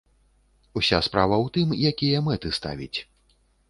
Уся справа ў тым, якія мэты ставіць.